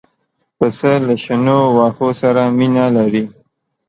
پسه له شنو واښو سره مینه لري.